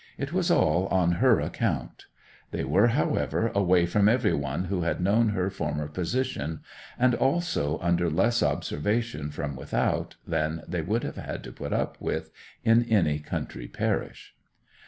It was all on her account. They were, however, away from every one who had known her former position; and also under less observation from without than they would have had to put up with in any country parish.